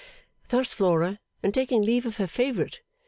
Thus Flora, in taking leave of her favourite.